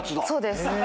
そうです。